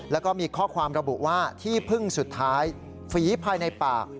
แล้วก็มีข้อความระบุว่าที่พึ่งสุดท้ายฝีภายในปาก